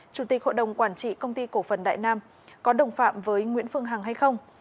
chủ tịch hội đồng quản trị công ty cổ phần đại nam có đồng phạm với nguyễn phương hằng hay không